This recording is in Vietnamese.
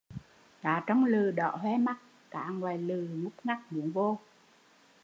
Cá trong lừ đỏ hoe mắt, cá ngoài lừ ngúc ngắc muốn vô